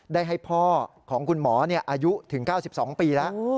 ได้ให้พ่อของคุณหมออายุถึง๙๒ปีแล้ว